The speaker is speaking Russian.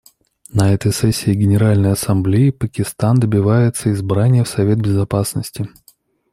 На этой сессии Генеральной Ассамблеи Пакистан добивается избрания в Совет Безопасности.